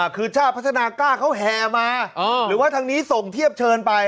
คือชาติพัฒนากล้าเขาแห่มาหรือว่าทางนี้ส่งเทียบเชิญไป